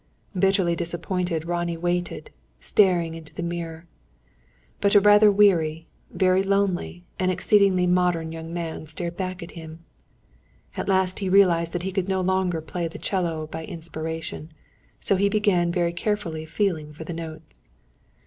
Bitterly disappointed, Ronnie waited, staring into the mirror. But a rather weary, very lonely, and exceedingly modern young man stared back at him. At last he realised that he could no longer play the 'cello by inspiration. So he began very carefully feeling for the notes.